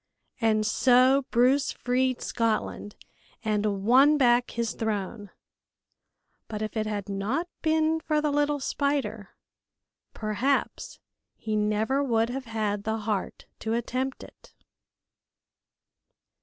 And so Bruce freed Scotland and won back his throne, but if it had not been for the little spider, perhaps he never would have had the heart to attempt it.